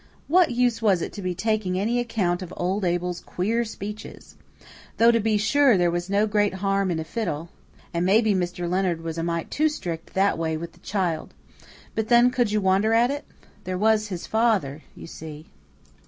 what use was it to be taking any account of old Abel's queer speeches? Though, to be sure, there was no great harm in a fiddle, and maybe Mr. Leonard was a mite too strict that way with the child. But then, could you wonder at it? There was his father, you see.